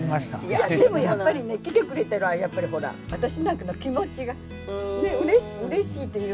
いやでもやっぱりね来てくれたらやっぱりほら私なんか気持ちがうれしいっていうか。